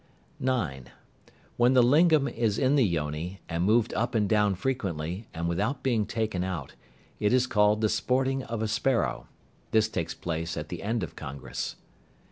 (9). When the lingam is in the yoni, and moved up and down frequently, and without being taken out, it is called the "sporting of a sparrow." This takes place at the end of congress.